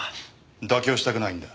妥協したくないんだ。